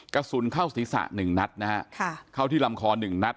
กระสุนเข้าศีรษะ๑นัดนะฮะเข้าที่ลำคอหนึ่งนัด